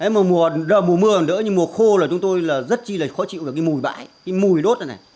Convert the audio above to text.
mùa mưa còn đỡ như mùa khô là chúng tôi rất chi là khó chịu cái mùi bãi cái mùi đốt này